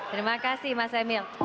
terima kasih mas emil